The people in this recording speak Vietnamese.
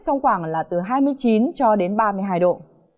trong khoảng là từ hai mươi chín cho đến ba mươi hai độ